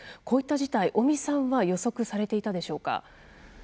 こういった事態、尾身さんは予測されていたでしょうか？